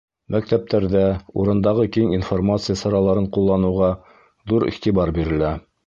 Мәктәптәрҙә, урындағы киң информация сараларын ҡулланыуға ҙур иғтибар бирелә.